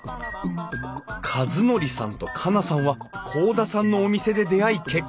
和憲さんと佳奈さんは甲田さんのお店で出会い結婚。